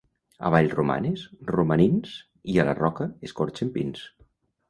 A Vallromanes, romanins, i a la Roca escorxen pins.